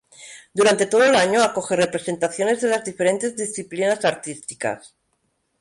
Durante todo el año acoge representaciones de las diferentes disciplinas artísticas.